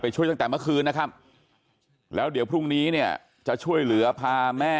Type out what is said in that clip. ช่วยตั้งแต่เมื่อคืนนะครับแล้วเดี๋ยวพรุ่งนี้เนี่ยจะช่วยเหลือพาแม่